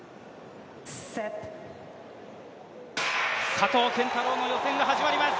佐藤拳太郎の予選が始まります